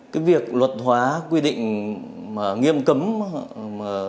cái việc luật hóa quy định nghiêm cấm